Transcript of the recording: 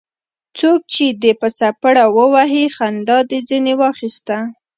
څوک چي دي په څپېړه ووهي؛ خندا دي ځني واخسته.